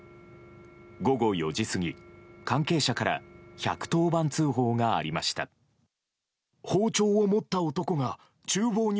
午後４時過ぎ、関係者から１１０番通報がありました。